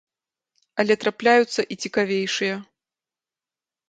Але трапляюцца і цікавейшыя.